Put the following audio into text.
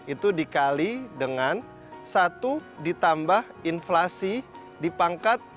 itu dikali dengan satu ditambah inflasi dipangkat